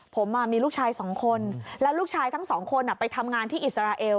ผมมีลูกชายสองคนแล้วลูกชายทั้งสองคนไปทำงานที่อิสราเอล